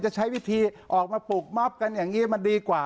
จะใช้วิธีออกมาปลูกม็อบกันอย่างนี้มันดีกว่า